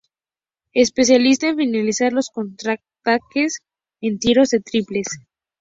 Especialista en finalizar los contraataques en tiros de triples.